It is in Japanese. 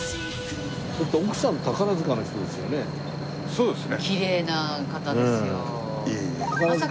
そうですね。